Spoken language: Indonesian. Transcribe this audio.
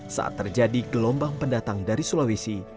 saat terjadi gelombang pendatang dari sulawesi